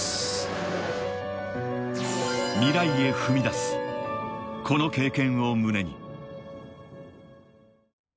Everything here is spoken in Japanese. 未来へ踏み出す、この経験を胸に。